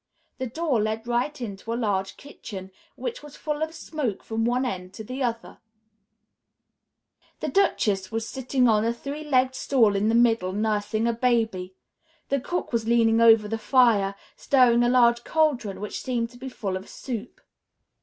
The door led right into a large kitchen, which was full of smoke from one end to the other; the Duchess was sitting on a three legged stool in the middle, nursing a baby; the cook was leaning over the fire, stirring a large caldron which seemed to be full of soup.